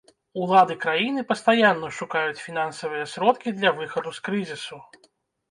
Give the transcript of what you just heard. Улады краіны пастаянна шукаюць фінансавыя сродкі для выхаду з крызісу.